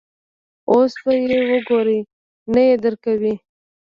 اوس به یې وګورې، نه یې درکوي.